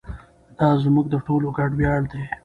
دا زموږ د ټولو ګډ ویاړ دی.